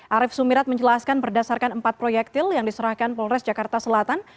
arief sumirat menjelaskan berdasarkan empat proyektil yang diserahkan polres jakarta selatan